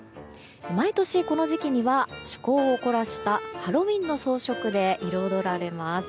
毎年この時期には趣向を凝らしたハロウィーンの装飾で彩られます。